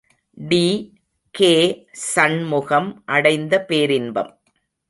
டி.கே.சண்முகம் அடைந்த பேரின்பம்.